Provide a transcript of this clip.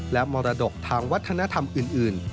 และมรดกทางวัฒนธรรมอื่น